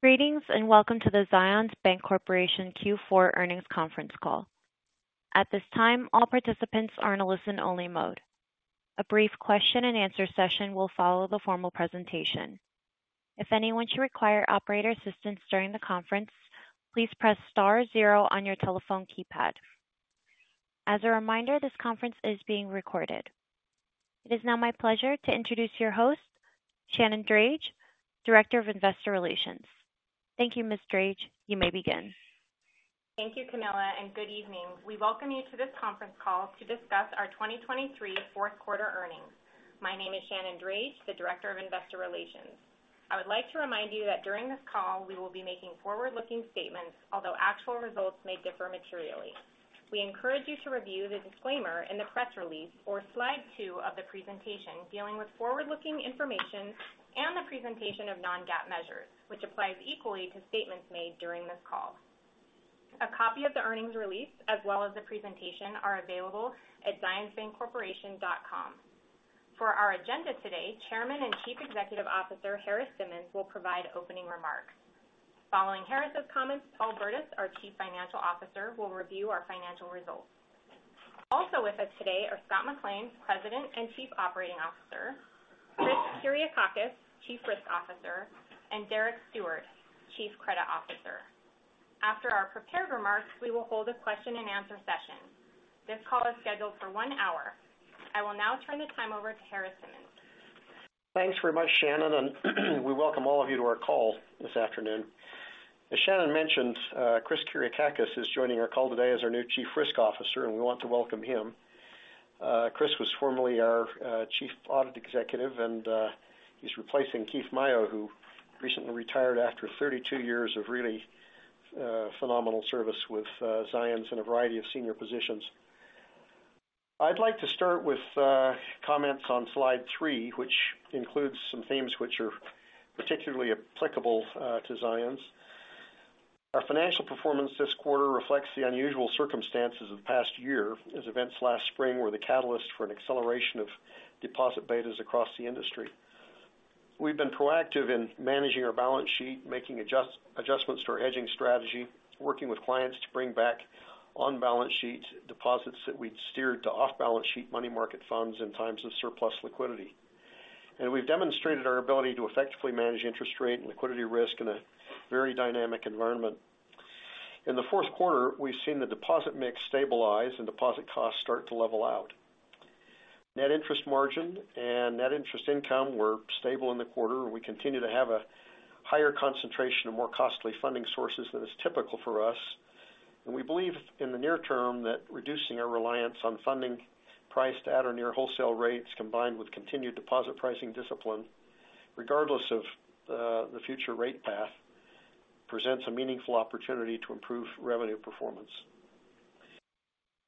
Greetings, and welcome to the Zions Bancorporation Q4 earnings conference call. At this time, all participants are in a listen-only mode. A brief question and answer session will follow the formal presentation. If anyone should require operator assistance during the conference, please press star zero on your telephone keypad. As a reminder, this conference is being recorded. It is now my pleasure to introduce your host, Shannon Drage, Director of Investor Relations. Thank you, Ms. Drage. You may begin. Thank you, Camilla, and good evening. We welcome you to this conference call to discuss our 2023 fourth quarter earnings. My name is Shannon Drage, the Director of Investor Relations. I would like to remind you that during this call, we will be making forward-looking statements, although actual results may differ materially. We encourage you to review the disclaimer in the press release or slide two of the presentation dealing with forward-looking information and the presentation of non-GAAP measures, which applies equally to statements made during this call. A copy of the earnings release, as well as the presentation, are available at zionsbancorporation.com. For our agenda today, Chairman and Chief Executive Officer, Harris Simmons, will provide opening remarks. Following Harris's comments, Paul Burdiss, our Chief Financial Officer, will review our financial results. Also with us today are Scott McLean, President and Chief Operating Officer, Chris Kyriakakis, Chief Risk Officer, and Derek Steward, Chief Credit Officer. After our prepared remarks, we will hold a question and answer session. This call is scheduled for one hour. I will now turn the time over to Harris Simmons. Thanks very much, Shannon, and we welcome all of you to our call this afternoon. As Shannon mentioned, Chris Kyriakakis is joining our call today as our new Chief Risk Officer, and we want to welcome him. Chris was formerly our Chief Audit Executive, and he's replacing Keith Maio, who recently retired after 32 years of really phenomenal service with Zions in a variety of senior positions. I'd like to start with comments on slide three, which includes some themes which are particularly applicable to Zions. Our financial performance this quarter reflects the unusual circumstances of the past year, as events last spring were the catalyst for an acceleration of deposit betas across the industry. We've been proactive in managing our balance sheet, making adjustments to our hedging strategy, working with clients to bring back on-balance sheet deposits that we'd steered to off-balance sheet money market funds in times of surplus liquidity. And we've demonstrated our ability to effectively manage interest rate and liquidity risk in a very dynamic environment. In the fourth quarter, we've seen the deposit mix stabilize and deposit costs start to level out. Net interest margin and net interest income were stable in the quarter, and we continue to have a higher concentration of more costly funding sources than is typical for us. And we believe in the near term that reducing our reliance on funding priced at or near wholesale rates, combined with continued deposit pricing discipline, regardless of the future rate path, presents a meaningful opportunity to improve revenue performance.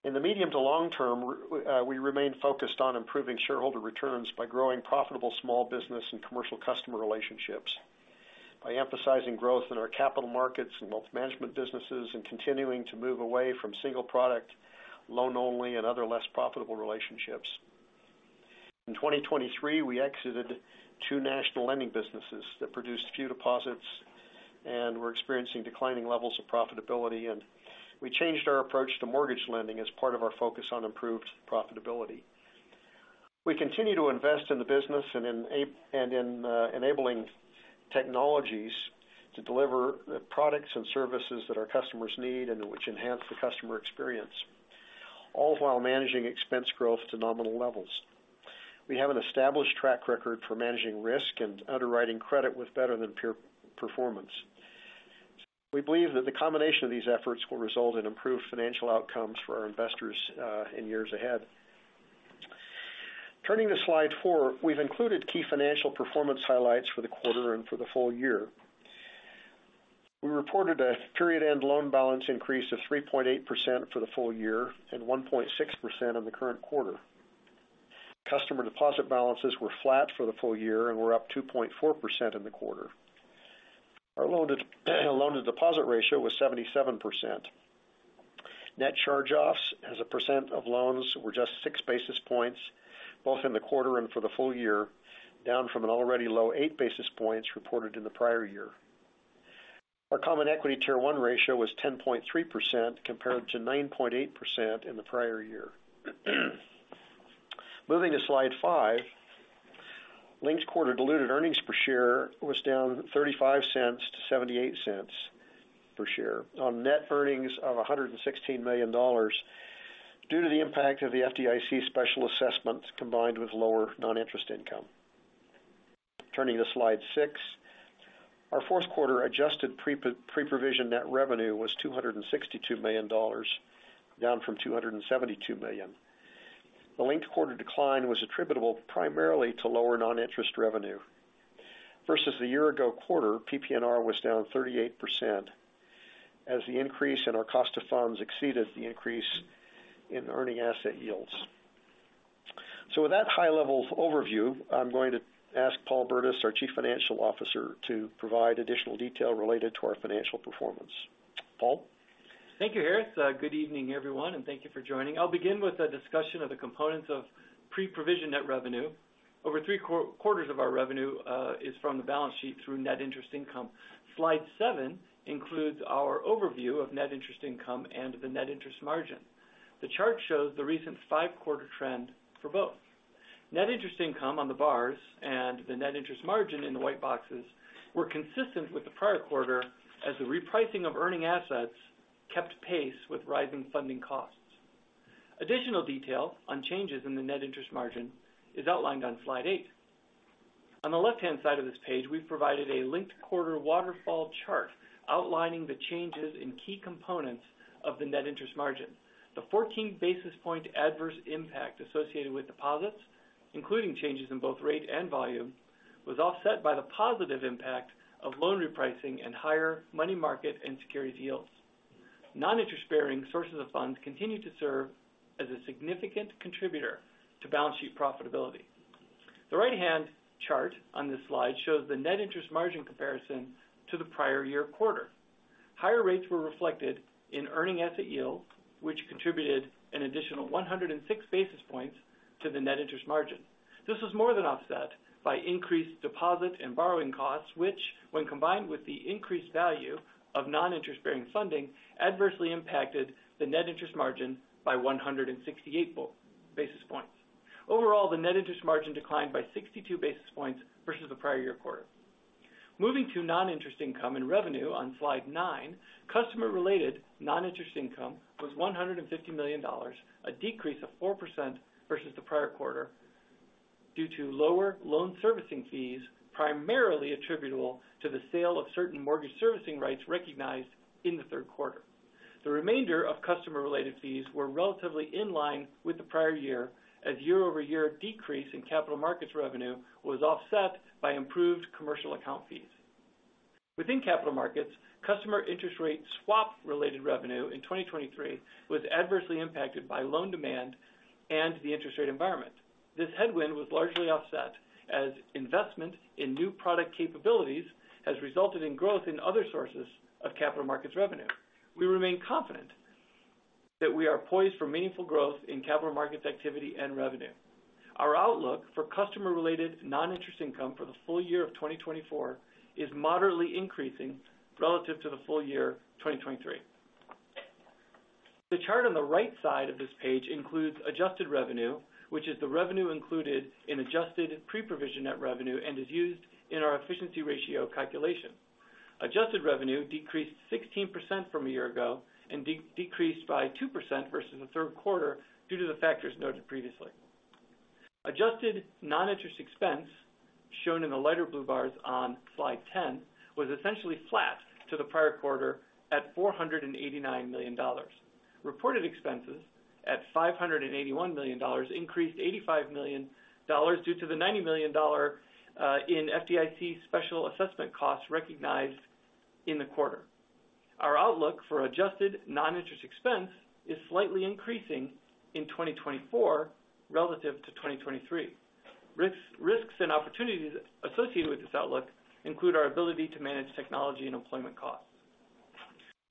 In the medium to long term, we remain focused on improving shareholder returns by growing profitable small business and commercial customer relationships, by emphasizing growth in our capital markets and wealth management businesses, and continuing to move away from single product, loan-only and other less profitable relationships. In 2023, we exited two national lending businesses that produced few deposits and were experiencing declining levels of profitability, and we changed our approach to mortgage lending as part of our focus on improved profitability. We continue to invest in the business and in enabling technologies to deliver the products and services that our customers need and which enhance the customer experience, all while managing expense growth to nominal levels. We have an established track record for managing risk and underwriting credit with better than peer performance. We believe that the combination of these efforts will result in improved financial outcomes for our investors in years ahead. Turning to slide four, we've included key financial performance highlights for the quarter and for the full year. We reported a period-end loan balance increase of 3.8% for the full year and 1.6% in the current quarter. Customer deposit balances were flat for the full year and were up 2.4% in the quarter. Our loan-to-deposit ratio was 77%. Net charge-offs as a percent of loans were just 6 basis points, both in the quarter and for the full year, down from an already low 8 basis points reported in the prior year. Our Common Equity Tier 1 ratio was 10.3%, compared to 9.8% in the prior year. Moving to slide five, linked quarter diluted earnings per share was down $0.35 to $0.78 per share on net earnings of $116 million, due to the impact of the FDIC special assessment, combined with lower non-interest income. Turning to slide six, our fourth quarter adjusted pre-provision net revenue was $262 million, down from $272 million. The linked quarter decline was attributable primarily to lower non-interest revenue. Versus the year-ago quarter, PPNR was down 38%, as the increase in our cost of funds exceeded the increase in earning asset yields. So with that high-level overview, I'm going to ask Paul Burdiss, our Chief Financial Officer, to provide additional detail related to our financial performance. Paul?... Thank you, Harris. Good evening, everyone, and thank you for joining. I'll begin with a discussion of the components of Pre-Provision Net Revenue. Over three quarters of our revenue is from the balance sheet through net interest income. Slide seven includes our overview of net interest income and the net interest margin. The chart shows the recent five-quarter trend for both. Net interest income on the bars and the net interest margin in the white boxes were consistent with the prior quarter, as the repricing of earning assets kept pace with rising funding costs. Additional detail on changes in the net interest margin is outlined on slide eight. On the left-hand side of this page, we've provided a linked quarter waterfall chart outlining the changes in key components of the net interest margin. The 14 basis points adverse impact associated with deposits, including changes in both rate and volume, was offset by the positive impact of loan repricing and higher money market and securities yields. Non-interest-bearing sources of funds continue to serve as a significant contributor to balance sheet profitability. The right-hand chart on this slide shows the net interest margin comparison to the prior year quarter. Higher rates were reflected in earning asset yield, which contributed an additional 106 basis points to the net interest margin. This was more than offset by increased deposit and borrowing costs, which, when combined with the increased value of non-interest-bearing funding, adversely impacted the net interest margin by 168 basis points. Overall, the net interest margin declined by 62 basis points versus the prior year quarter. Moving to non-interest income and revenue on Slide nine, customer-related non-interest income was $150 million, a decrease of 4% versus the prior quarter due to lower loan servicing fees, primarily attributable to the sale of certain mortgage servicing rights recognized in the third quarter. The remainder of customer-related fees were relatively in line with the prior year, as year-over-year decrease in capital markets revenue was offset by improved commercial account fees. Within capital markets, customer interest rate swap-related revenue in 2023 was adversely impacted by loan demand and the interest rate environment. This headwind was largely offset as investment in new product capabilities has resulted in growth in other sources of capital markets revenue. We remain confident that we are poised for meaningful growth in capital markets activity and revenue. Our outlook for customer-related non-interest income for the full year of 2024 is moderately increasing relative to the full year 2023. The chart on the right side of this page includes adjusted revenue, which is the revenue included in adjusted pre-provision net revenue and is used in our efficiency ratio calculation. Adjusted revenue decreased 16% from a year ago and decreased by 2% versus the third quarter due to the factors noted previously. Adjusted non-interest expense, shown in the lighter blue bars on Slide 10, was essentially flat to the prior quarter at $489 million. Reported expenses at $581 million increased $85 million due to the $90 million in FDIC special assessment costs recognized in the quarter. Our outlook for adjusted non-interest expense is slightly increasing in 2024 relative to 2023. Risks, risks and opportunities associated with this outlook include our ability to manage technology and employment costs.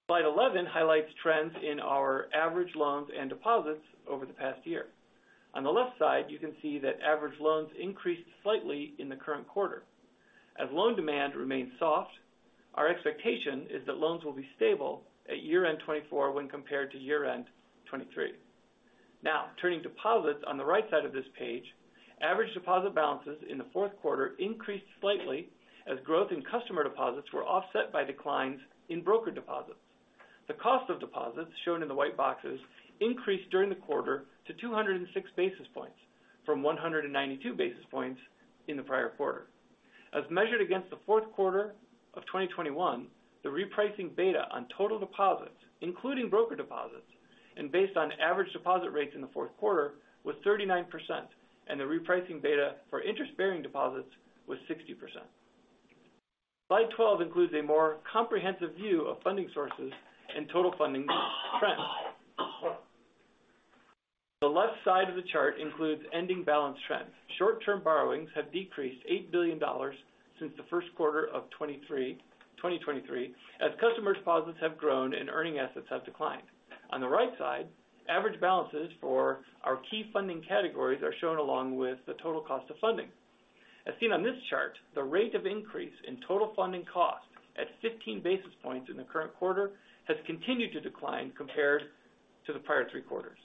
Slide 11 highlights trends in our average loans and deposits over the past year. On the left side, you can see that average loans increased slightly in the current quarter. As loan demand remains soft, our expectation is that loans will be stable at year-end 2024 when compared to year-end 2023. Now, turning deposits on the right side of this page, average deposit balances in the fourth quarter increased slightly, as growth in customer deposits were offset by declines in broker deposits. The cost of deposits, shown in the white boxes, increased during the quarter to 206 basis points, from 192 basis points in the prior quarter. As measured against the fourth quarter of 2021, the repricing beta on total deposits, including broker deposits and based on average deposit rates in the fourth quarter, was 39%, and the repricing beta for interest-bearing deposits was 60%. Slide 12 includes a more comprehensive view of funding sources and total funding trends. The left side of the chart includes ending balance trends. Short-term borrowings have decreased $8 billion since the first quarter of 2023, as customer deposits have grown and earning assets have declined. On the right side, average balances for our key funding categories are shown along with the total cost of funding. As seen on this chart, the rate of increase in total funding costs at 15 basis points in the current quarter has continued to decline compared to the prior three quarters.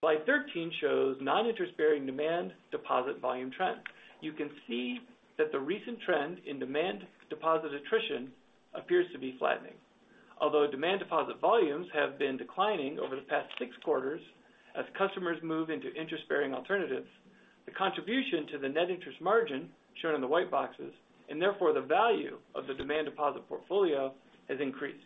Slide 13 shows non-interest-bearing demand deposit volume trends. You can see that the recent trend in demand deposit attrition appears to be flattening. Although demand deposit volumes have been declining over the past six quarters as customers move into interest-bearing alternatives, the contribution to the net interest margin, shown in the white boxes, and therefore the value of the demand deposit portfolio, has increased.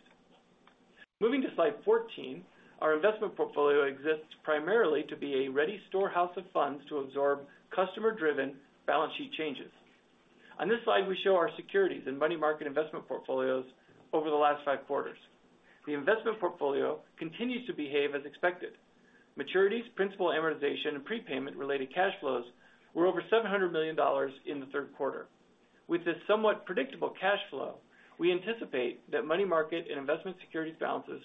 Moving to Slide 14, our investment portfolio exists primarily to be a ready storehouse of funds to absorb customer-driven balance sheet changes. On this slide, we show our securities and money market investment portfolios over the last five quarters. The investment portfolio continues to behave as expected.... maturities, principal amortization, and prepayment related cash flows were over $700 million in the third quarter. With this somewhat predictable cash flow, we anticipate that money market and investment securities balances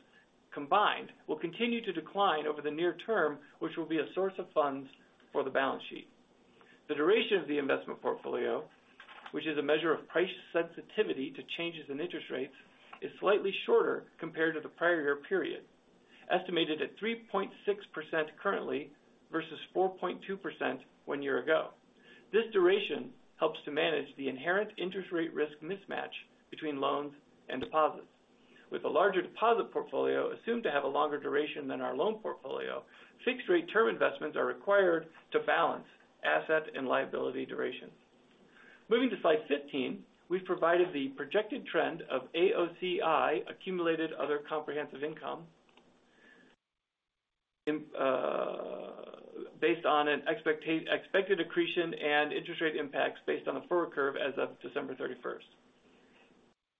combined will continue to decline over the near term, which will be a source of funds for the balance sheet. The duration of the investment portfolio, which is a measure of price sensitivity to changes in interest rates, is slightly shorter compared to the prior year period, estimated at 3.6% currently versus 4.2% one year ago. This duration helps to manage the inherent interest rate risk mismatch between loans and deposits. With a larger deposit portfolio assumed to have a longer duration than our loan portfolio, fixed rate term investments are required to balance asset and liability duration. Moving to Slide 15, we've provided the projected trend of AOCI, accumulated other comprehensive income, based on an expected accretion and interest rate impacts based on the forward curve as of December 31.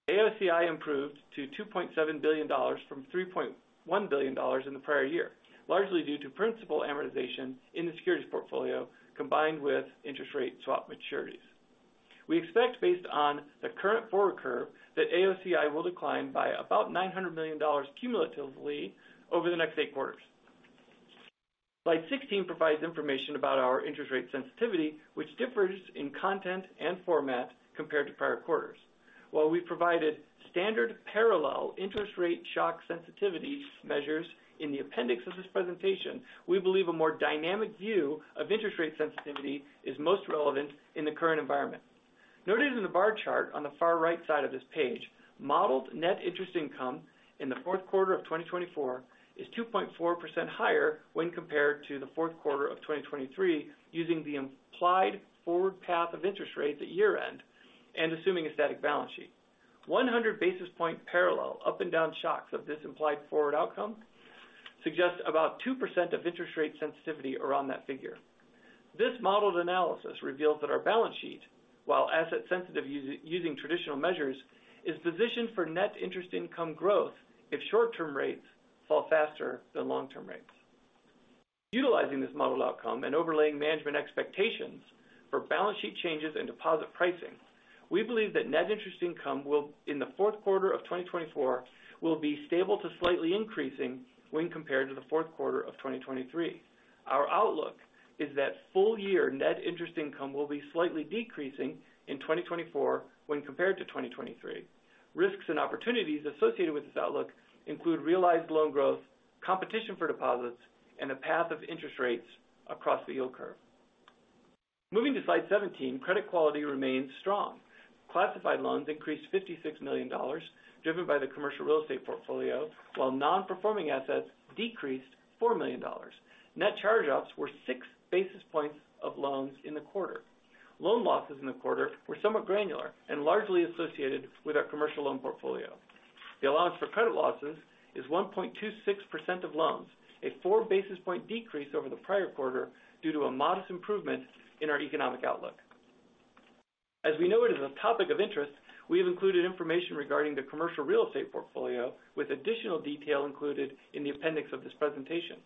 AOCI improved to $2.7 billion from $3.1 billion in the prior year, largely due to principal amortization in the securities portfolio combined with interest rate swap maturities. We expect, based on the current forward curve, that AOCI will decline by about $900 million cumulatively over the next 8 quarters. Slide 16 provides information about our interest rate sensitivity, which differs in content and format compared to prior quarters. While we provided standard parallel interest rate shock sensitivity measures in the appendix of this presentation, we believe a more dynamic view of interest rate sensitivity is most relevant in the current environment. Noted in the bar chart on the far right side of this page, modeled net interest income in the fourth quarter of 2024 is 2.4% higher when compared to the fourth quarter of 2023, using the implied forward path of interest rates at year-end and assuming a static balance sheet. 100 basis point parallel up and down shocks of this implied forward outcome suggest about 2% of interest rate sensitivity around that figure. This modeled analysis reveals that our balance sheet, while asset sensitive using traditional measures, is positioned for net interest income growth if short-term rates fall faster than long-term rates. Utilizing this model outcome and overlaying management expectations for balance sheet changes and deposit pricing, we believe that net interest income will, in the fourth quarter of 2024, will be stable to slightly increasing when compared to the fourth quarter of 2023. Our outlook is that full year net interest income will be slightly decreasing in 2024 when compared to 2023. Risks and opportunities associated with this outlook include realized loan growth, competition for deposits, and the path of interest rates across the yield curve. Moving to Slide 17, credit quality remains strong. Classified loans increased $56 million, driven by the commercial real estate portfolio, while non-performing assets decreased $4 million. Net charge-offs were 6 basis points of loans in the quarter. Loan losses in the quarter were somewhat granular and largely associated with our commercial loan portfolio. The allowance for credit losses is 1.26% of loans, a four basis point decrease over the prior quarter due to a modest improvement in our economic outlook. As we know, it is a topic of interest, we have included information regarding the Commercial Real Estate portfolio with additional detail included in the appendix of this presentation.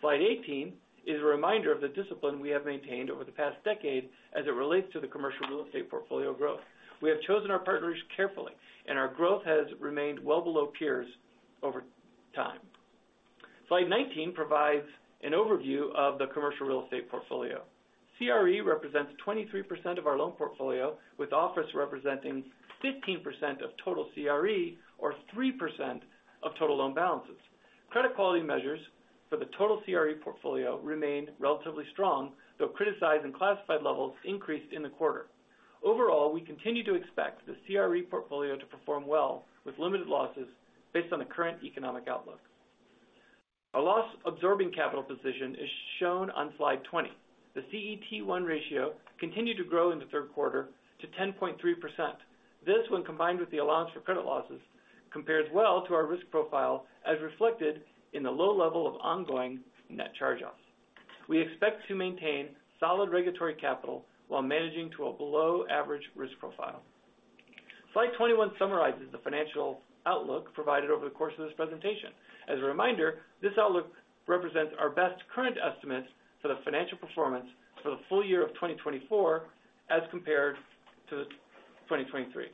Slide 18 is a reminder of the discipline we have maintained over the past decade as it relates to the Commercial Real Estate portfolio growth. We have chosen our partners carefully, and our growth has remained well below peers over time. Slide 19 provides an overview of the Commercial Real Estate portfolio. CRE represents 23% of our loan portfolio, with office representing 15% of total CRE or 3% of total loan balances. Credit quality measures for the total CRE portfolio remained relatively strong, though criticized and classified levels increased in the quarter. Overall, we continue to expect the CRE portfolio to perform well with limited losses based on the current economic outlook. Our loss absorbing capital position is shown on Slide 20. The CET1 ratio continued to grow in the third quarter to 10.3%. This, when combined with the allowance for credit losses, compares well to our risk profile as reflected in the low level of ongoing net charge-offs. We expect to maintain solid regulatory capital while managing to a below average risk profile. Slide 21 summarizes the financial outlook provided over the course of this presentation. As a reminder, this outlook represents our best current estimates for the financial performance for the full year of 2024 as compared to 2023.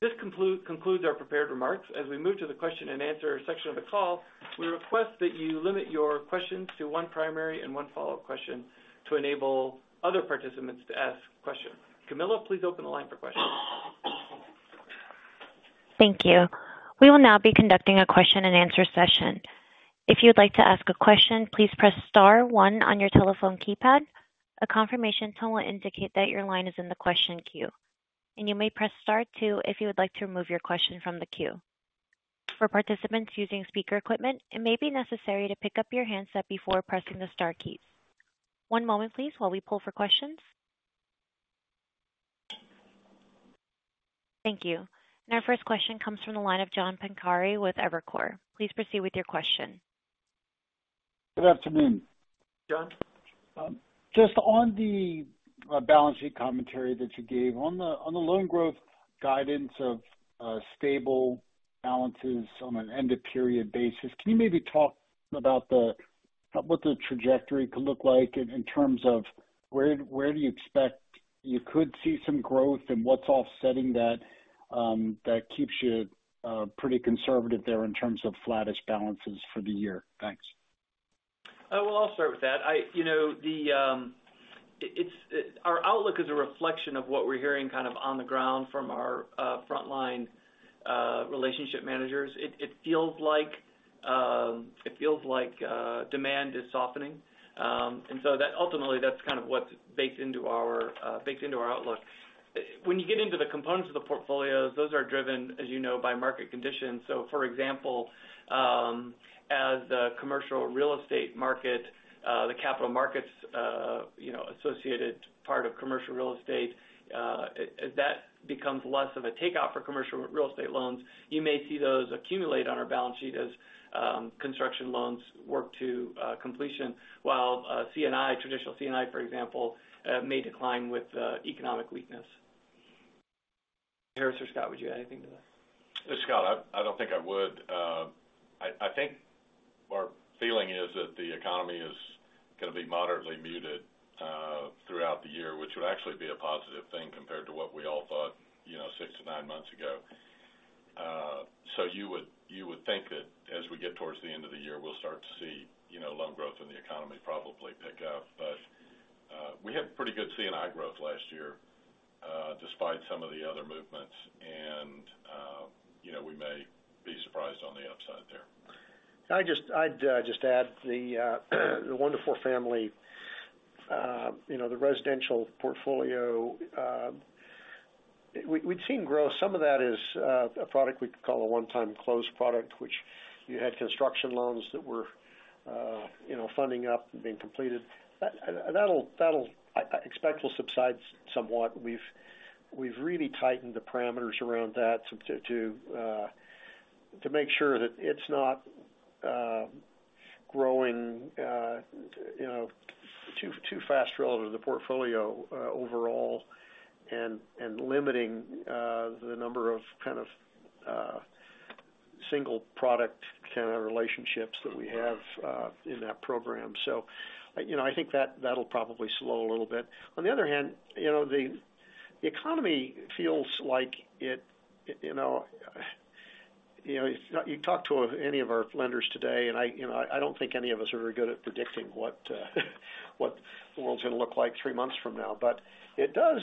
This concludes our prepared remarks. As we move to the question and answer section of the call, we request that you limit your questions to one primary and one follow-up question to enable other participants to ask questions. Camilla, please open the line for questions. Thank you. We will now be conducting a question and answer session. If you'd like to ask a question, please press star one on your telephone keypad. A confirmation tone will indicate that your line is in the question queue, and you may press star two if you would like to remove your question from the queue. For participants using speaker equipment, it may be necessary to pick up your handset before pressing the star keys. One moment please, while we pull for questions. Thank you. Our first question comes from the line of John Pancari with Evercore. Please proceed with your question. Good afternoon. John. Just on the balance sheet commentary that you gave, on the loan growth guidance of stable balances on an end of period basis, can you maybe talk about what the trajectory could look like in terms of where do you expect you could see some growth and what's offsetting that that keeps you pretty conservative there in terms of flattish balances for the year? Thanks. Well, I'll start with that. You know, our outlook is a reflection of what we're hearing kind of on the ground from our frontline relationship managers. It feels like demand is softening. And so that ultimately, that's kind of what's baked into our outlook. When you get into the components of the portfolios, those are driven, as you know, by market conditions. So for example, as the commercial real estate market, the capital markets, you know, associated part of commercial real estate, that becomes less of a takeout for commercial real estate loans. You may see those accumulate on our balance sheet as construction loans work to completion, while C&I, traditional C&I, for example, may decline with economic weakness. Harris or Scott, would you add anything to that? It's Scott. I don't think I would. I think our feeling is that the economy is going to be moderately muted throughout the year, which would actually be a positive thing compared to what we all thought, you know, six to nine months ago. So you would think that as we get towards the end of the year, we'll start to see, you know, loan growth in the economy probably pick up. But we had pretty good C&I growth last year despite some of the other movements, and you know, we may be surprised on the upside there. I'd just add the wonderful family, you know, the residential portfolio, we'd seen growth. Some of that is a product we could call a one-time close product, which you had construction loans that were, you know, funding up and being completed. That'll, I expect, will subside somewhat. We've really tightened the parameters around that to make sure that it's not growing, you know, too fast relative to the portfolio overall, and limiting the number of kind of single product kind of relationships that we have in that program. So, you know, I think that'll probably slow a little bit. On the other hand, you know, the economy feels like it, you know, you talk to any of our lenders today, and I, you know, I don't think any of us are very good at predicting what the world's going to look like three months from now. But it does,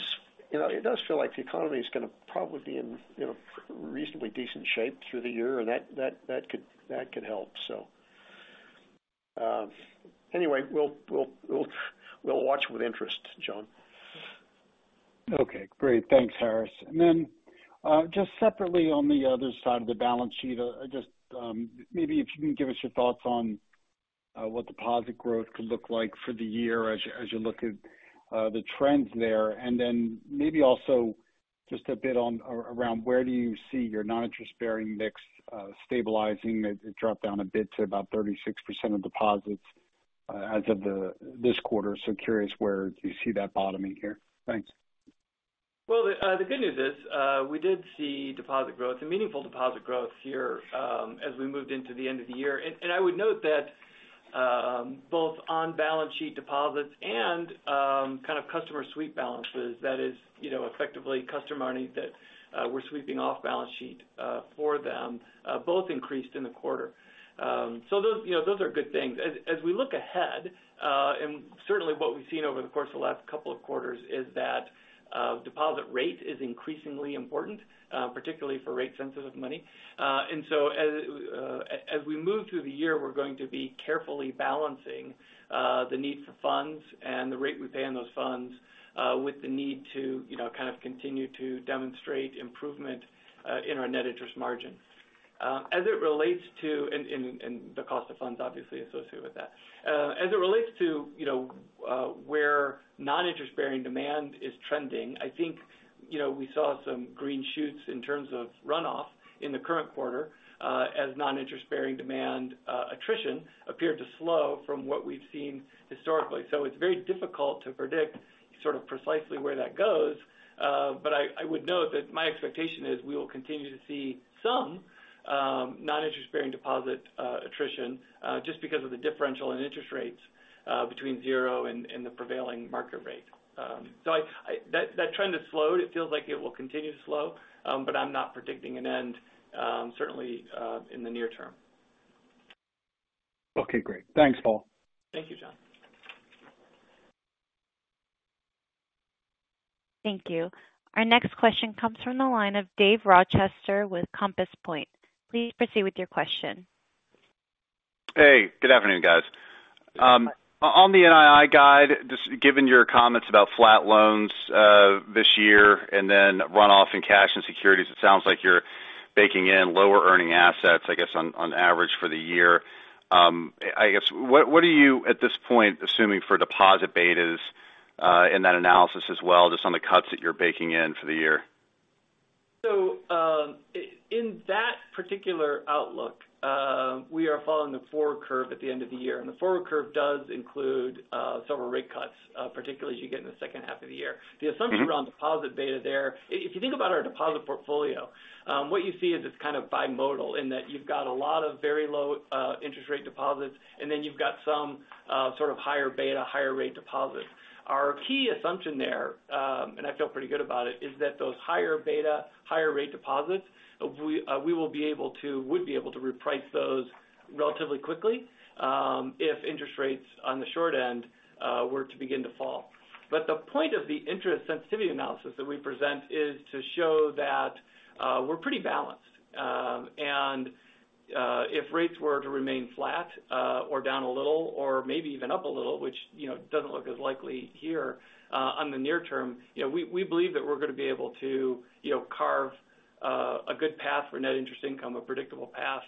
you know, it does feel like the economy is going to probably be in, you know, reasonably decent shape through the year, and that could help. So, anyway, we'll watch with interest, John. Okay, great. Thanks, Harris. And then, just separately on the other side of the balance sheet, just, maybe if you can give us your thoughts on what deposit growth could look like for the year as you, as you look at the trends there. And then maybe also just a bit on, around where do you see your non-interest-bearing mix stabilizing? It dropped down a bit to about 36% of deposits as of this quarter. So curious, where do you see that bottoming here? Thanks. Well, the good news is, we did see deposit growth, a meaningful deposit growth here, as we moved into the end of the year. And I would note that, both on balance sheet deposits and, kind of customer sweep balances, that is, you know, effectively customer money that, we're sweeping off balance sheet, for them, both increased in the quarter. So those, you know, those are good things. As we look ahead, and certainly what we've seen over the course of the last couple of quarters is that, deposit rate is increasingly important, particularly for rate sensitive money. And so as we move through the year, we're going to be carefully balancing the needs for funds and the rate we pay on those funds with the need to, you know, kind of continue to demonstrate improvement in our net interest margin. As it relates to the cost of funds obviously associated with that. As it relates to, you know, where non-interest-bearing demand is trending, I think, you know, we saw some green shoots in terms of runoff in the current quarter, as non-interest-bearing demand attrition appeared to slow from what we've seen historically. So it's very difficult to predict sort of precisely where that goes. But I would note that my expectation is we will continue to see some non-interest bearing deposit attrition just because of the differential in interest rates between zero and the prevailing market rate. That trend has slowed. It feels like it will continue to slow, but I'm not predicting an end, certainly, in the near term. Okay, great. Thanks, Paul. Thank you, John. Thank you. Our next question comes from the line of Dave Rochester with Compass Point. Please proceed with your question. Hey, good afternoon, guys. On the NII guide, just given your comments about flat loans this year, and then runoff and cash and securities, it sounds like you're baking in lower earning assets, I guess, on average for the year. I guess, what are you at this point assuming for deposit betas in that analysis as well, just on the cuts that you're baking in for the year?... So, in that particular outlook, we are following the forward curve at the end of the year, and the forward curve does include several rate cuts, particularly as you get in the second half of the year. The assumption around deposit beta there, if you think about our deposit portfolio, what you see is it's kind of bimodal in that you've got a lot of very low interest rate deposits, and then you've got some sort of higher beta, higher rate deposits. Our key assumption there, and I feel pretty good about it, is that those higher beta, higher rate deposits, we will be able to, we'd be able to reprice those relatively quickly, if interest rates on the short end were to begin to fall. But the point of the interest sensitivity analysis that we present is to show that, we're pretty balanced. And, if rates were to remain flat, or down a little, or maybe even up a little, which, you know, doesn't look as likely here, on the near term, you know, we, we believe that we're going to be able to, you know, carve, a good path for net interest income, a predictable path,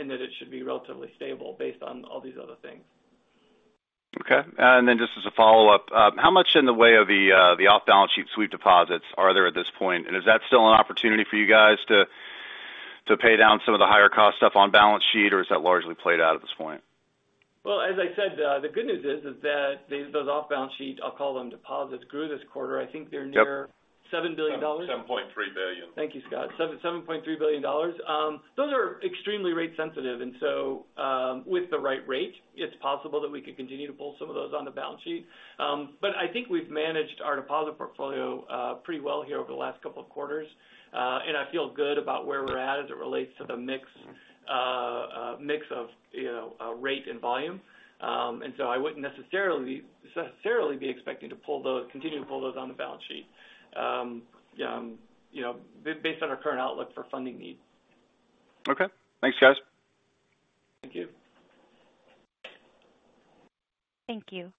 in that it should be relatively stable based on all these other things. Okay. And then just as a follow-up, how much in the way of the, the off-balance sheet sweep deposits are there at this point? And is that still an opportunity for you guys to, to pay down some of the higher cost stuff on balance sheet, or is that largely played out at this point? Well, as I said, the good news is that those off-balance sheet, I'll call them deposits, grew this quarter. Yep. I think they're near $7 billion. $7.3 billion. Thank you, Scott. $7.7 billion. Those are extremely rate sensitive, and so, with the right rate, it's possible that we could continue to pull some of those on the balance sheet. But I think we've managed our deposit portfolio, pretty well here over the last couple of quarters. And I feel good about where we're at as it relates to the mix, mix of, you know, rate and volume. And so I wouldn't necessarily, necessarily be expecting to pull those- continue to pull those on the balance sheet, you know, based on our current outlook for funding needs. Okay. Thanks, guys. Thank you. Thank you.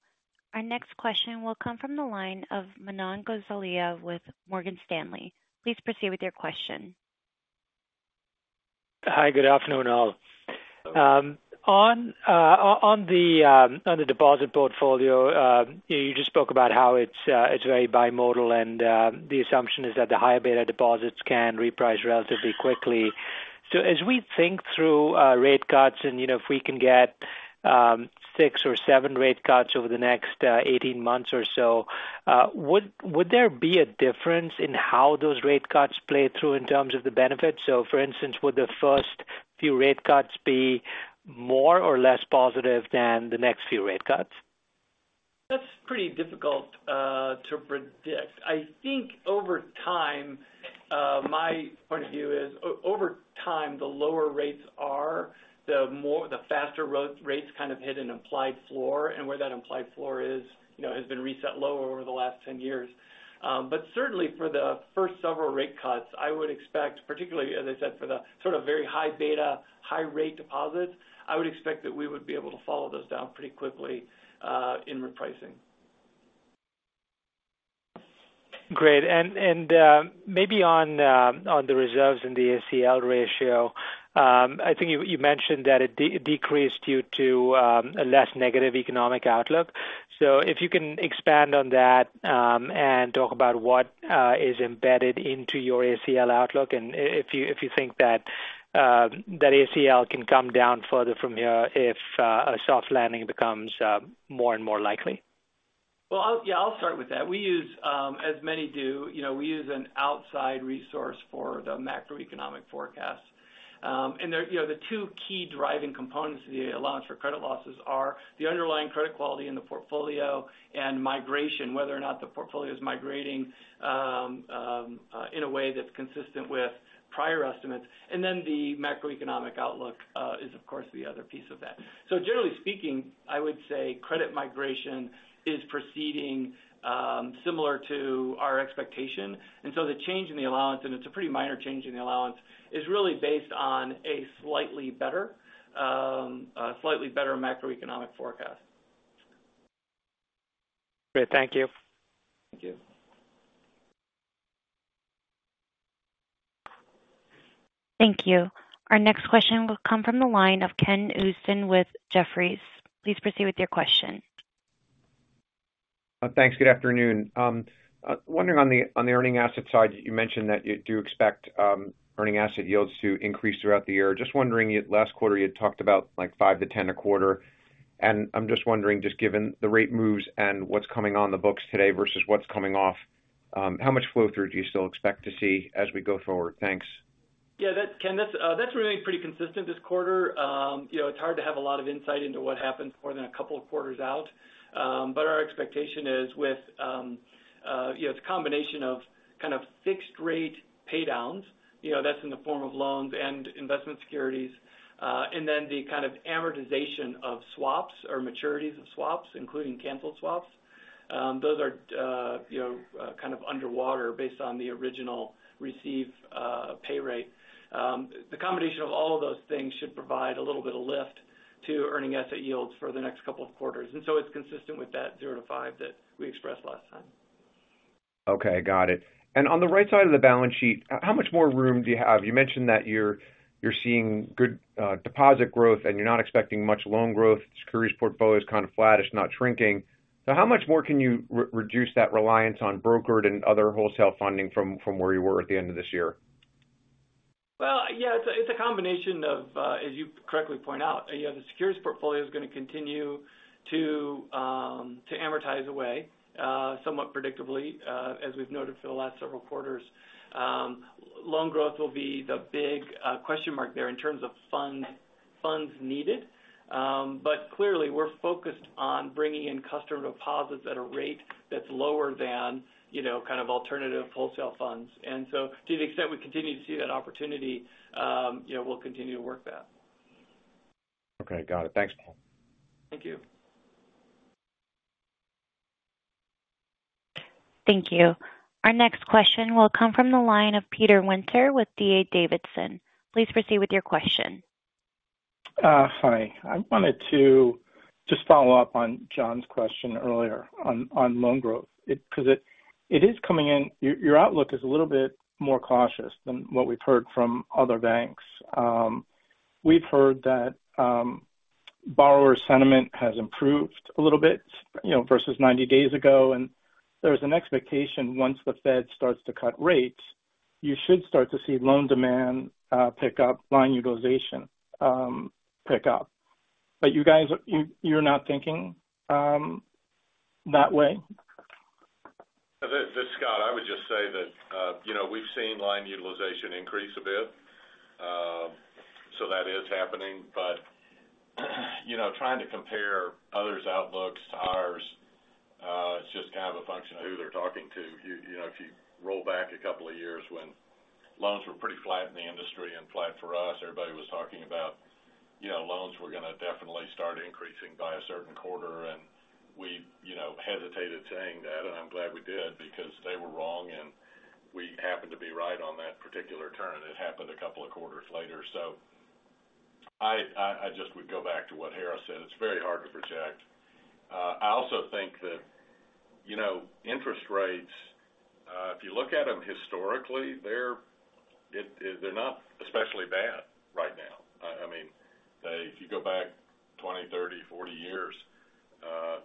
Our next question will come from the line of Manan Gosalia with Morgan Stanley. Please proceed with your question. Hi, good afternoon, all. On the deposit portfolio, you just spoke about how it's very bimodal, and the assumption is that the higher beta deposits can reprice relatively quickly. So as we think through rate cuts and, you know, if we can get six or seven rate cuts over the next 18 months or so, would there be a difference in how those rate cuts play through in terms of the benefits? So for instance, would the first few rate cuts be more or less positive than the next few rate cuts? That's pretty difficult to predict. I think over time, my point of view is over time, the lower rates are, the more the faster rates kind of hit an implied floor, and where that implied floor is, you know, has been reset lower over the last ten years. But certainly for the first several rate cuts, I would expect, particularly, as I said, for the sort of very high beta, high rate deposits, I would expect that we would be able to follow those down pretty quickly, in repricing. Great. And maybe on the reserves and the ACL ratio, I think you mentioned that it decreased due to a less negative economic outlook. So if you can expand on that, and talk about what is embedded into your ACL outlook, and if you think that ACL can come down further from here if a soft landing becomes more and more likely. Well, I'll-- yeah, I'll start with that. We use, as many do, you know, we use an outside resource for the macroeconomic forecast. And there, you know, the two key driving components of the allowance for credit losses are the underlying credit quality in the portfolio and migration, whether or not the portfolio is migrating, in a way that's consistent with prior estimates. And then the macroeconomic outlook is, of course, the other piece of that. So generally speaking, I would say credit migration is proceeding, similar to our expectation. And so the change in the allowance, and it's a pretty minor change in the allowance, is really based on a slightly better, a slightly better macroeconomic forecast. Great. Thank you. Thank you. Thank you. Our next question will come from the line of Ken Usdin with Jefferies. Please proceed with your question. Thanks. Good afternoon. Wondering on the earning asset side, you mentioned that you do expect earning asset yields to increase throughout the year. Just wondering, last quarter, you had talked about, like, five to 10 a quarter. And I'm just wondering, just given the rate moves and what's coming on the books today versus what's coming off, how much flow-through do you still expect to see as we go forward? Thanks. Yeah, that, Ken, that's remaining pretty consistent this quarter. You know, it's hard to have a lot of insight into what happens more than a couple of quarters out. But our expectation is with, you know, it's a combination of kind of fixed rate pay downs, you know, that's in the form of loans and investment securities, and then the kind of amortization of swaps or maturities of swaps, including canceled swaps. Those are, you know, kind of underwater based on the original receive, pay rate. The combination of all of those things should provide a little bit of lift to earning asset yields for the next couple of quarters. And so it's consistent with that zero to five that we expressed last time. Okay, got it. On the right side of the balance sheet, how much more room do you have? You mentioned that you're seeing good deposit growth, and you're not expecting much loan growth. Securities portfolio is kind of flat, it's not shrinking. So how much more can you reduce that reliance on brokered and other wholesale funding from where you were at the end of this year? ... Well, yeah, it's a combination of, as you correctly point out, you know, the securities portfolio is going to continue to amortize away, somewhat predictably, as we've noted for the last several quarters. Loan growth will be the big question mark there in terms of funds needed. But clearly, we're focused on bringing in customer deposits at a rate that's lower than, you know, kind of alternative wholesale funds. And so to the extent we continue to see that opportunity, you know, we'll continue to work that. Okay, got it. Thanks, Paul. Thank you. Thank you. Our next question will come from the line of Peter Winter with D.A. Davidson. Please proceed with your question. Hi. I wanted to just follow up on John's question earlier on loan growth. It, because it is coming in. Your outlook is a little bit more cautious than what we've heard from other banks. We've heard that borrower sentiment has improved a little bit, you know, versus 90 days ago, and there's an expectation once the Fed starts to cut rates, you should start to see loan demand pick up, line utilization pick up. But you guys, you're not thinking that way? This is Scott. I would just say that, you know, we've seen line utilization increase a bit. So that is happening. But, you know, trying to compare others' outlooks to ours, it's just kind of a function of who they're talking to. You know, if you roll back a couple of years when loans were pretty flat in the industry and flat for us, everybody was talking about, you know, loans were going to definitely start increasing by a certain quarter, and we, you know, hesitated saying that, and I'm glad we did because they were wrong, and we happened to be right on that particular turn. It happened a couple of quarters later. So I just would go back to what Harris said. It's very hard to project. I also think that, you know, interest rates, if you look at them historically, they're not especially bad right now. I mean, they, if you go back 20, 30, 40 years,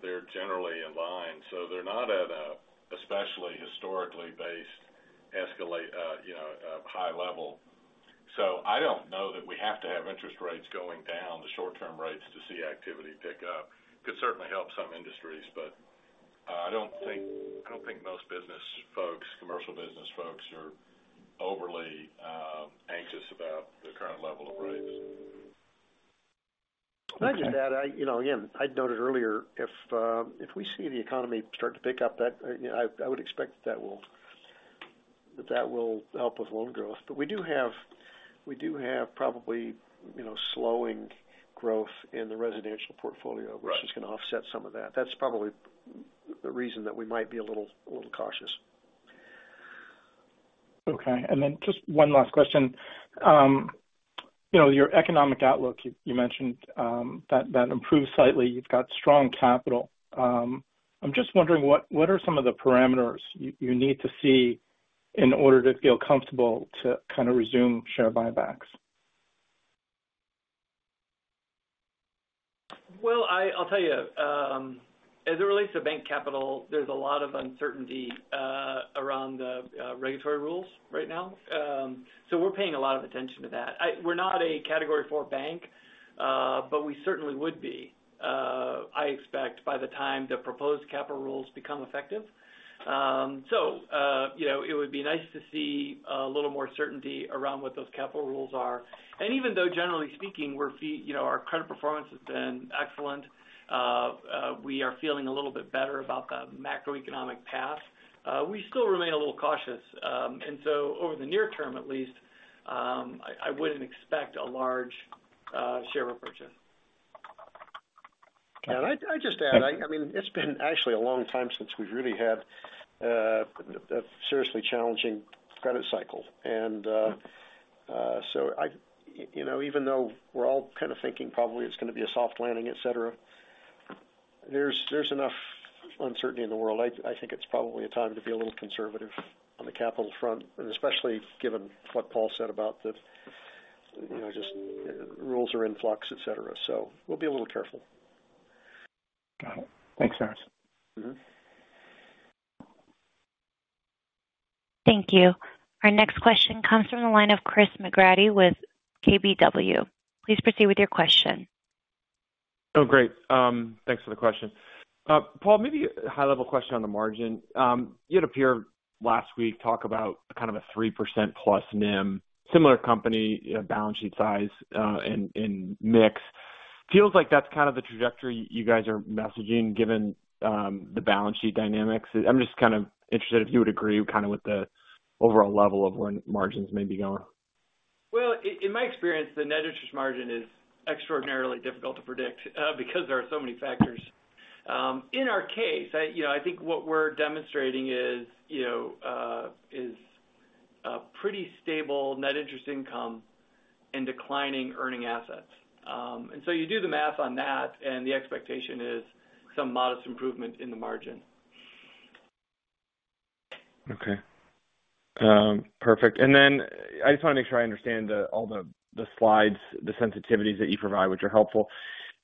they're generally in line, so they're not at an especially historically based escalated, you know, high level. So I don't know that we have to have interest rates going down, the short-term rates, to see activity pick up. Could certainly help some industries, but I don't think most business folks, commercial business folks, are overly anxious about the current level of rates. Okay. Can I just add, you know, again, I'd noted earlier, if we see the economy start to pick up, that, you know, I would expect that that will, that will help with loan growth. But we do have, we do have probably, you know, slowing growth in the residential portfolio- Right. Which is going to offset some of that. That's probably the reason that we might be a little, a little cautious. Okay, and then just one last question. You know, your economic outlook, you mentioned that improved slightly. You've got strong capital. I'm just wondering what are some of the parameters you need to see in order to feel comfortable to kind of resume share buybacks? Well, I'll tell you, as it relates to bank capital, there's a lot of uncertainty around the regulatory rules right now. So we're paying a lot of attention to that. We're not a Category four bank, but we certainly would be, I expect, by the time the proposed capital rules become effective. So you know, it would be nice to see a little more certainty around what those capital rules are. And even though, generally speaking, you know, our credit performance has been excellent, we are feeling a little bit better about the macroeconomic path, we still remain a little cautious. And so over the near term, at least, I wouldn't expect a large share repurchase. I'd just add, I mean, it's been actually a long time since we've really had a seriously challenging credit cycle. So, you know, even though we're all kind of thinking probably it's going to be a soft landing, et cetera, there's enough uncertainty in the world. I think it's probably a time to be a little conservative on the capital front, and especially given what Paul said about the, you know, just rules are in flux, et cetera. So we'll be a little careful. Got it. Thanks, Harris. Mm-hmm. Thank you. Our next question comes from the line of Chris McGratty with KBW. Please proceed with your question. Oh, great. Thanks for the question. Paul, maybe a high-level question on the margin. You had up here last week, talk about kind of a 3%+ NIM, similar company, balance sheet size, and mix. Feels like that's kind of the trajectory you guys are messaging, given the balance sheet dynamics. I'm just kind of interested if you would agree kind of with the overall level of when margins may be going. Well, in my experience, the net interest margin is extraordinarily difficult to predict, because there are so many factors. In our case, I, you know, I think what we're demonstrating is, you know, is a pretty stable net interest income and declining earning assets. And so you do the math on that, and the expectation is some modest improvement in the margin. Okay. Perfect. And then I just want to make sure I understand all the slides, the sensitivities that you provide, which are helpful.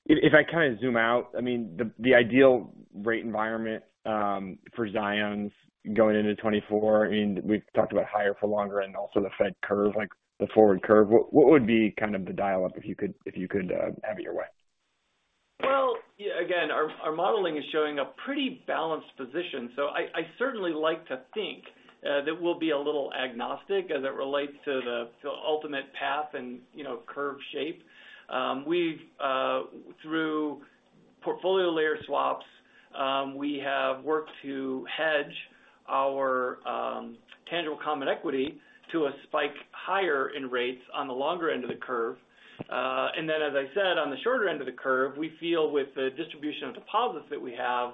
If I kind of zoom out, I mean, the ideal rate environment for Zions going into 2024, I mean, we've talked about higher for longer and also the Fed curve, like the forward curve. What would be kind of the dial-up if you could have your way? Well, yeah, again, our modeling is showing a pretty balanced position. So I certainly like to think that we'll be a little agnostic as it relates to the ultimate path and, you know, curve shape. We've through portfolio layer swaps we have worked to hedge our tangible common equity to a spike higher in rates on the longer end of the curve. And then, as I said, on the shorter end of the curve, we feel with the distribution of deposits that we have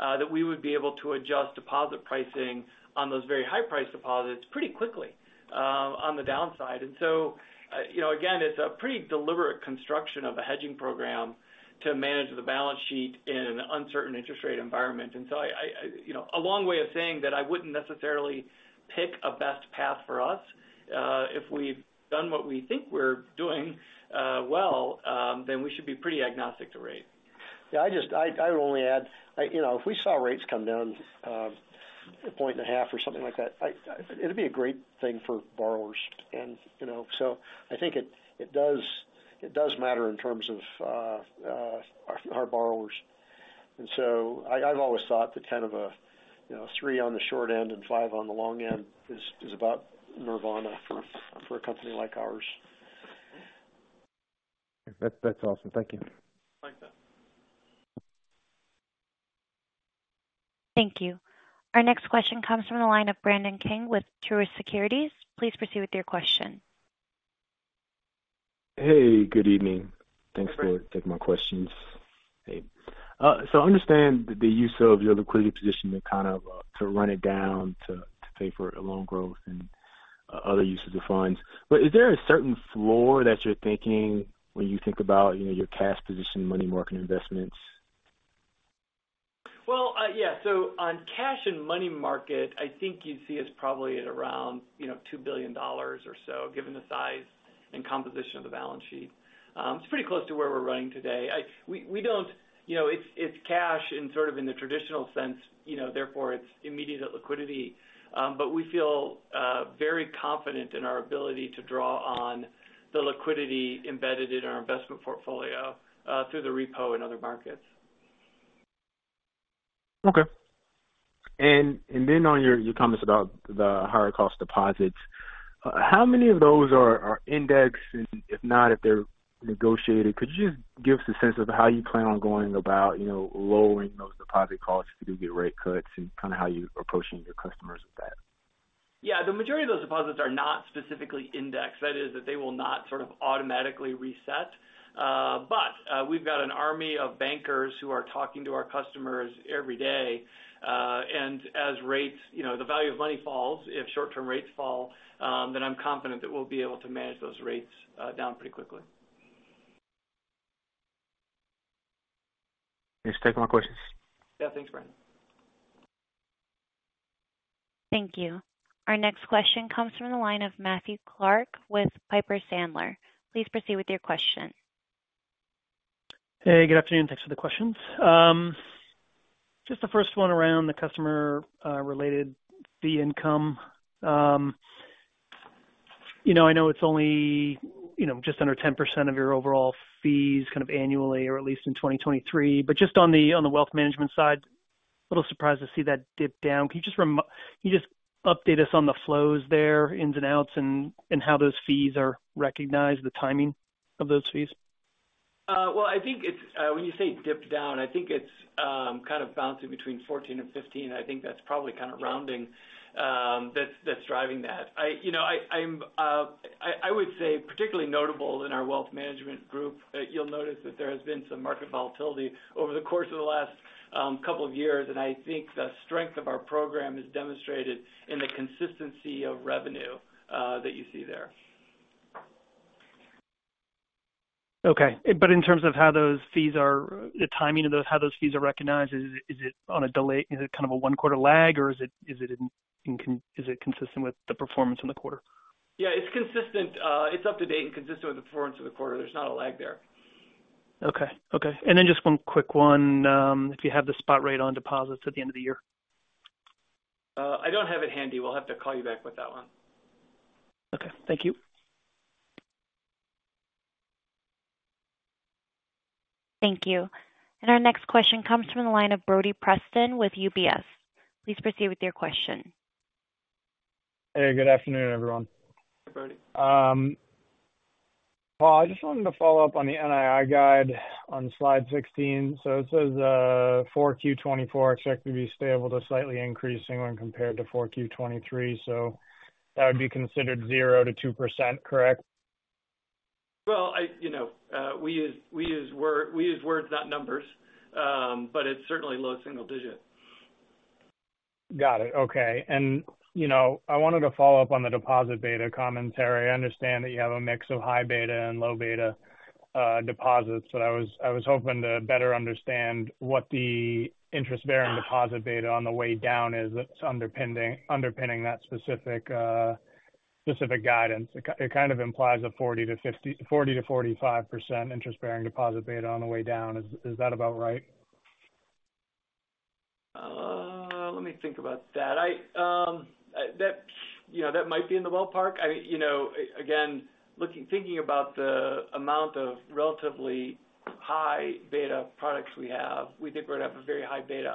that we would be able to adjust deposit pricing on those very high-priced deposits pretty quickly on the downside. And so, you know, again, it's a pretty deliberate construction of a hedging program to manage the balance sheet in an uncertain interest rate environment. I, you know, a long way of saying that I wouldn't necessarily pick a best path for us. If we've done what we think we're doing, well, then we should be pretty agnostic to rate. Yeah, I just would only add, you know, if we saw rates come down 1.5 or something like that, it'd be a great thing for borrowers. And, you know, so I think it does matter in terms of our borrowers. And so I, I've always thought that kind of a, you know, 3 on the short end and 5 on the long end is about nirvana for a company like ours. That's, that's awesome. Thank you. Thanks, Ben. Thank you. Our next question comes from the line of Brandon King with Truist Securities. Please proceed with your question. Hey, good evening. Thanks for taking my questions. Hey, so I understand the use of your liquidity position to kind of, to run it down, to pay for a loan growth and, other uses of funds. But is there a certain floor that you're thinking when you think about, you know, your cash position, money market investments? Well, yeah. So on cash and money market, I think you'd see us probably at around, you know, $2 billion or so, given the size and composition of the balance sheet. It's pretty close to where we're running today. You know, it's, it's cash in sort of in the traditional sense, you know, therefore, it's immediate liquidity. But we feel very confident in our ability to draw on the liquidity embedded in our investment portfolio through the repo and other markets. Okay. And then on your comments about the higher cost deposits, how many of those are indexed? And if not, if they're negotiated, could you just give us a sense of how you plan on going about, you know, lowering those deposit costs to do the rate cuts and kind of how you're approaching your customers with that? Yeah. The majority of those deposits are not specifically indexed. That is, that they will not sort of automatically reset. But, we've got an army of bankers who are talking to our customers every day. And as rates, you know, the value of money falls, if short-term rates fall, then I'm confident that we'll be able to manage those rates down pretty quickly. Thanks for taking my questions. Yeah. Thanks, Brandon. Thank you. Our next question comes from the line of Matthew Clark with Piper Sandler. Please proceed with your question. Hey, good afternoon. Thanks for the questions. Just the first one around the customer related fee income. You know, I know it's only, you know, just under 10% of your overall fees kind of annually or at least in 2023, but just on the, on the wealth management side, a little surprised to see that dip down. Can you just update us on the flows there, ins and outs, and, and how those fees are recognized, the timing of those fees? Well, I think it's when you say dipped down, I think it's kind of bouncing between 14 and 15. I think that's probably kind of rounding, that's driving that. You know, I would say, particularly notable in our wealth management group, that you'll notice that there has been some market volatility over the course of the last couple of years. And I think the strength of our program is demonstrated in the consistency of revenue that you see there. Okay. But in terms of how those fees are, the timing of those, how those fees are recognized, is it, is it on a delay? Is it kind of a one-quarter lag, or is it, is it in con-- is it consistent with the performance in the quarter? Yeah, it's consistent. It's up to date and consistent with the performance of the quarter. There's not a lag there. Okay. Okay, then just one quick one. If you have the spot rate on deposits at the end of the year? I don't have it handy. We'll have to call you back with that one. Okay. Thank you. Thank you. Our next question comes from the line of Brody Preston with UBS. Please proceed with your question. Hey, good afternoon, everyone. Hey, Brodie. Paul, I just wanted to follow up on the NII guide on slide 16. So it says, 4Q 2024 expected to be stable to slightly increasing when compared to 4Q 2023. So that would be considered 0%-2%, correct? Well, I, you know, we use, we use words, not numbers. But it's certainly low single digit. Got it. Okay. And, you know, I wanted to follow up on the deposit beta commentary. I understand that you have a mix of high beta and low beta deposits, but I was hoping to better understand what the interest-bearing deposit beta on the way down is, that's underpinning that specific, specific guidance. It kind of implies a 40-50, 40-45% interest-bearing Deposit Beta on the way down. Is that about right? Let me think about that. You know, that might be in the ballpark. You know, again, looking, thinking about the amount of relatively high beta products we have, we think we're going to have a very high beta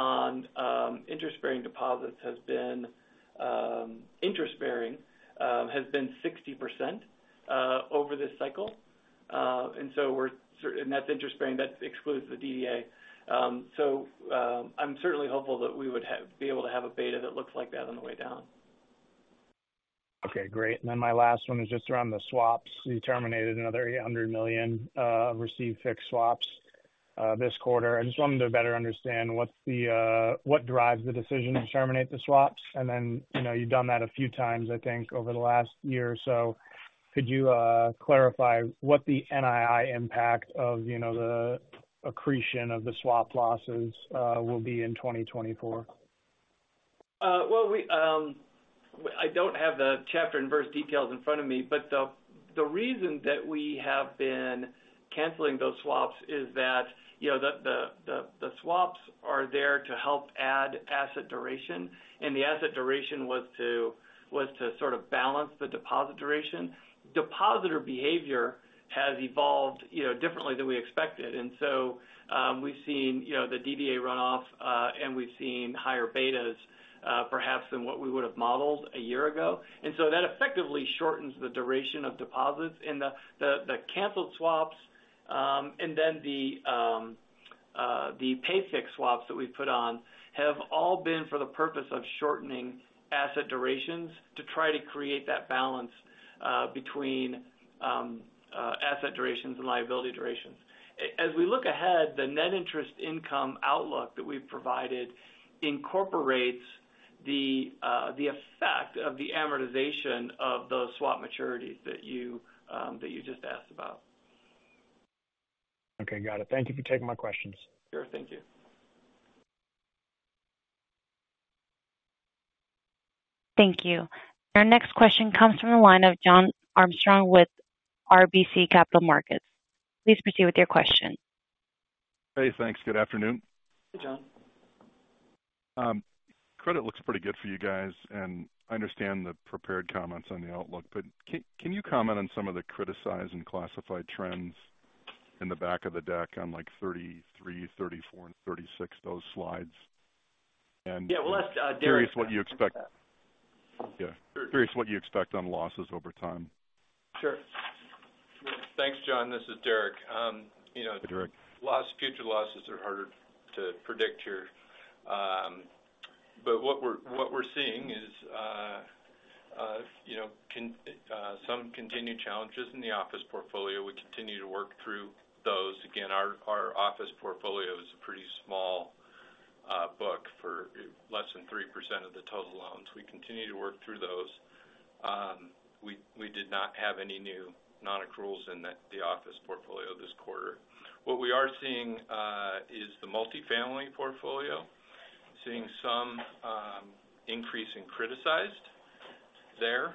on those. Our cumulative beta on interest-bearing deposits has been interest-bearing has been 60% over this cycle. And so we're, and that's interest-bearing, that excludes the DDA. So, I'm certainly hopeful that we would be able to have a beta that looks like that on the way down. Okay, great. And then my last one is just around the swaps. You terminated another $800 million received fixed swaps this quarter. I just wanted to better understand what drives the decision to terminate the swaps? And then, you know, you've done that a few times, I think, over the last year or so. Could you clarify what the NII impact of, you know, the accretion of the swap losses, will be in 2024? Well, I don't have the chapter and verse details in front of me, but the reason that we have been canceling those swaps is that, you know, the swaps are there to help add asset duration, and the asset duration was to sort of balance the deposit duration. Depositor behavior has evolved, you know, differently than we expected. And so, we've seen, you know, the DDA run off, and we've seen higher betas, perhaps than what we would have modeled a year ago. And so that effectively shortens the duration of deposits and the canceled swaps, and then the pay-fixed swaps that we've put on have all been for the purpose of shortening asset durations to try to create that balance, between asset durations and liability durations. As we look ahead, the net interest income outlook that we've provided incorporates the effect of the amortization of those swap maturities that you just asked about. Okay, got it. Thank you for taking my questions. Sure. Thank you. Thank you. Our next question comes from the line of John Armstrong with RBC Capital Markets. Please proceed with your question. Hey, thanks. Good afternoon. Hey, John. Credit looks pretty good for you guys, and I understand the prepared comments on the outlook, but can you comment on some of the criticized and classified trends in the back of the deck on, like, slides 33, 34, and 36? And- Yeah, well, let's Derek- Curious what you expect. Yeah. Curious what you expect on losses over time. Sure. Thanks, John. This is Derek, you know- Hey, Derek. Loss, future losses are harder to predict here. But what we're seeing is you know some continued challenges in the office portfolio. We continue to work through those. Again, our office portfolio is a pretty small book for less than 3% of the total loans. We continue to work through those. We did not have any new nonaccruals in the office portfolio this quarter. What we are seeing is the multifamily portfolio seeing some increase in criticized there.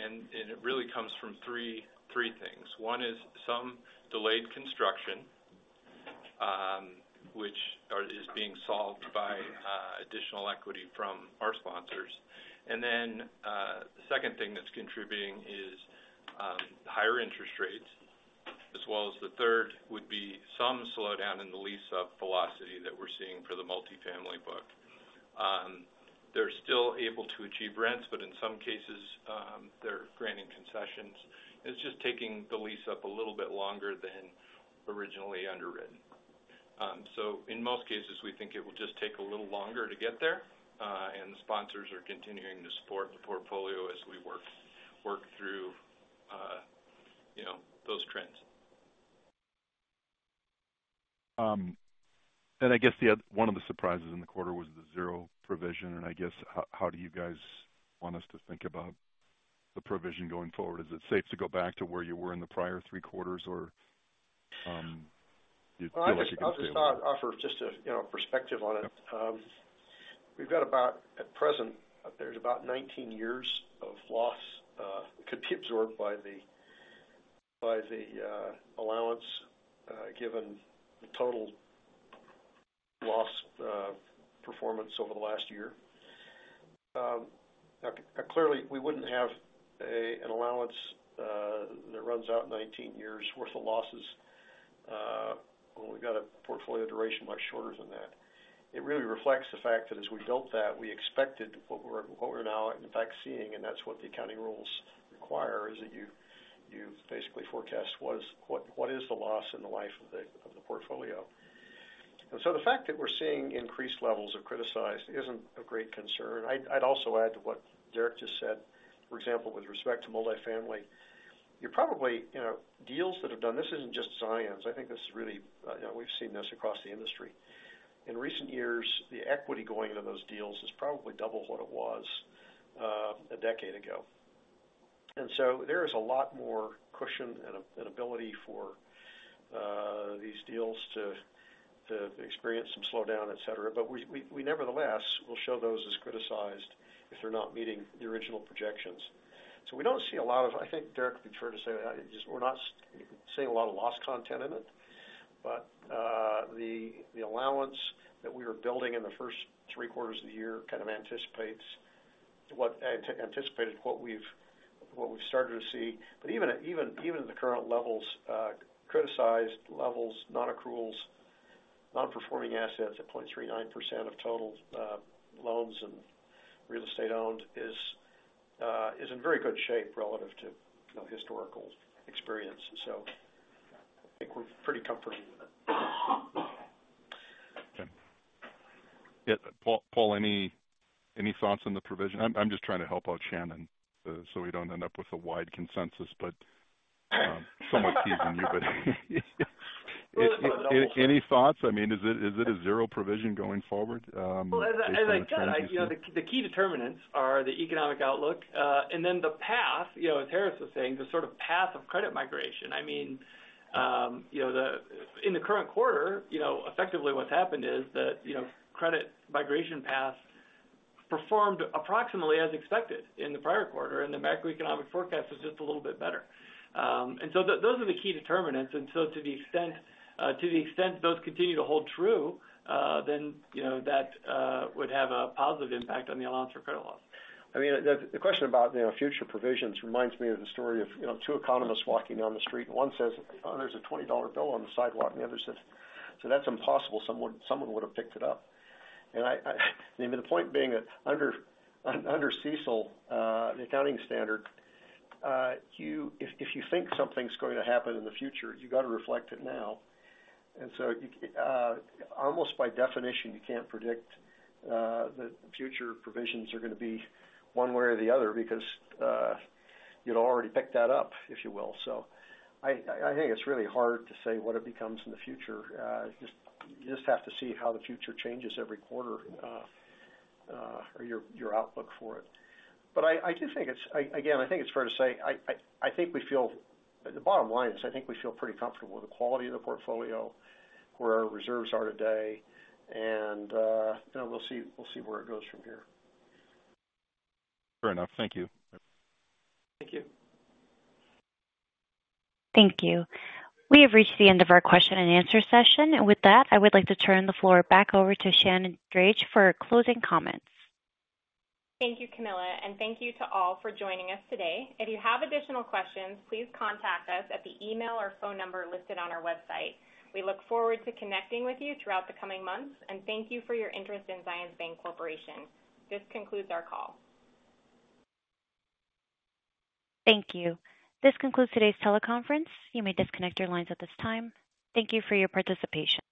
And it really comes from three things. One is some delayed construction which is being solved by additional equity from our sponsors. Then, the second thing that's contributing is, higher interest rates, as well as the third would be some slowdown in the lease-up velocity that we're seeing for the multifamily book. They're still able to achieve rents, but in some cases, they're granting concessions. It's just taking the lease up a little bit longer than originally underwritten. So in most cases, we think it will just take a little longer to get there, and the sponsors are continuing to support the portfolio as we work, work through, you know, those trends. And I guess the other one of the surprises in the quarter was the $0 provision, and I guess, how do you guys want us to think about the provision going forward? Is it safe to go back to where you were in the prior three quarters, or, you feel like you can stay there? I'll just, I'll just offer just a, you know, perspective on it. We've got about, at present, there's about 19 years of loss, could be absorbed by the, by the, allowance, given the total loss, performance over the last year. Clearly, we wouldn't have an allowance, that runs out 19 years worth of losses, when we've got a portfolio duration much shorter than that. It really reflects the fact that as we built that, we expected what we're, what we're now in fact seeing, and that's what the accounting rules require, is that you, you basically forecast what is, what, what is the loss in the life of the, of the portfolio. And so the fact that we're seeing increased levels of criticized isn't of great concern. I'd also add to what Derek just said, for example, with respect to multifamily, you're probably, you know, deals that have done this isn't just Zions, I think this is really, you know, we've seen this across the industry. In recent years, the equity going into those deals is probably double what it was a decade ago. And so there is a lot more cushion and ability for these deals to experience some slowdown, et cetera. But we nevertheless will show those as criticized if they're not meeting the original projections. So we don't see a lot of loss content in it. I think Derek would be fair to say that just we're not seeing a lot of loss content in it, but the allowance that we were building in the first three quarters of the year kind of anticipates what anticipated what we've started to see. But even at the current levels, criticized levels, nonaccruals, nonperforming assets at 0.39% of total loans and real estate owned is in very good shape relative to, you know, historical experience. So I think we're pretty comfortable with it. Okay. Yeah, Paul, Paul, any, any thoughts on the provision? I'm, I'm just trying to help out Shannon, so we don't end up with a wide consensus, but, somewhat teasing you, but. Any thoughts? I mean, is it, is it a zero provision going forward, as you- Well, as I said, you know, the key determinants are the economic outlook, and then the path, you know, as Harris was saying, the sort of path of credit migration. I mean, you know, in the current quarter, you know, effectively what's happened is that, you know, credit migration paths performed approximately as expected in the prior quarter, and the macroeconomic forecast was just a little bit better. And so those are the key determinants. And so to the extent, to the extent those continue to hold true, then, you know, that would have a positive impact on the allowance for credit loss. I mean, the question about, you know, future provisions reminds me of the story of, you know, two economists walking down the street, and one says, "Oh, there's a $20 bill on the sidewalk." And the other says, "So that's impossible. Someone would have picked it up." And I mean, the point being that under CECL, the accounting standard, you, if you think something's going to happen in the future, you got to reflect it now. And so, almost by definition, you can't predict that future provisions are going to be one way or the other because you'd already picked that up, if you will. So I think it's really hard to say what it becomes in the future. You just have to see how the future changes every quarter or your outlook for it. But again, I think it's fair to say, I think we feel—the bottom line is, I think we feel pretty comfortable with the quality of the portfolio, where our reserves are today, and you know, we'll see, we'll see where it goes from here. Fair enough. Thank you. Thank you. Thank you. We have reached the end of our question and answer session. With that, I would like to turn the floor back over to Shannon Drage for closing comments. Thank you, Camilla, and thank you to all for joining us today. If you have additional questions, please contact us at the email or phone number listed on our website. We look forward to connecting with you throughout the coming months, and thank you for your interest in Zions Bancorporation. This concludes our call. Thank you. This concludes today's teleconference. You may disconnect your lines at this time. Thank you for your participation.